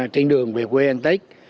trên đường về quê an tết